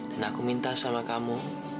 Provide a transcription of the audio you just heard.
dan aku minta sama kamu